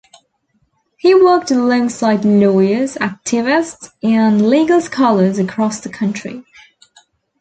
He worked alongside lawyers, activists, and legal scholars across the country.